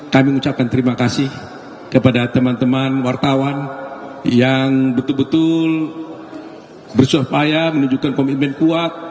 kami mengucapkan terima kasih kepada teman teman wartawan yang betul betul bersuah payah menunjukkan komitmen kuat